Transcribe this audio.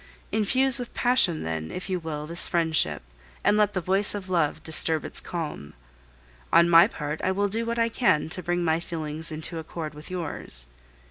"Infuse with passion, then, if you will, this friendship, and let the voice of love disturb its calm. On my part I will do what I can to bring my feelings into accord with yours.